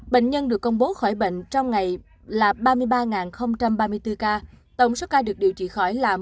bệnh nhân được công bố khỏi bệnh trong ngày là ba mươi ba ba mươi bốn ca tổng số ca được điều trị khỏi là một bảy mươi hai tám trăm một mươi tám ca